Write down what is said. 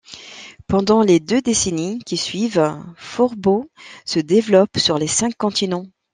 Pendant les deux décennies qui suivent, Forbo se développe sur les cinq continents.